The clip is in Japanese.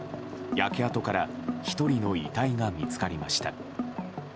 焼け跡から１人の遺体が見つかりました。